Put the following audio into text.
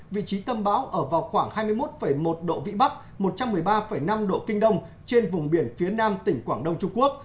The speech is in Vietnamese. vị trí tâm bão ở vào khoảng hai mươi một một độ vĩ bắc một trăm một mươi ba năm độ kinh đông trên vùng biển phía nam tỉnh quảng đông trung quốc